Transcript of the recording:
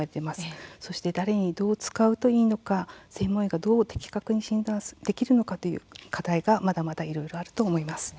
さらに誰にどう使うと、効果的なのか専門医がどう的確に診断できるのかなど課題はまだまだあると思います。